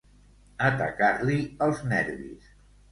Atacar-li els nervis.